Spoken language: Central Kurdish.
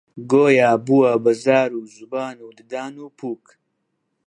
گۆیا بووە بە زار و زوبان و ددان و پووک: